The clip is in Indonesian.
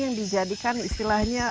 yang dijadikan istilahnya